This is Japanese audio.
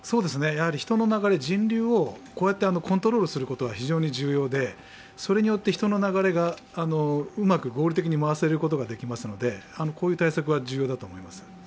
やはり人の流れ、人流をこうやってコントロールすることは非常に重要で、それによって人の流れがうまく合理的に回すことができますのでこういう対策は重要だと思います。